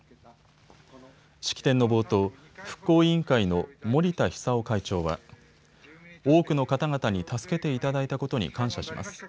式典の冒頭、復興委員会の盛田久夫会長は多くの方々に助けていただいたことに感謝します。